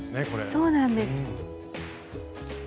そうなんです。